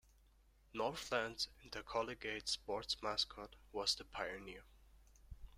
Northland's intercollegiate sports mascot was the Pioneer.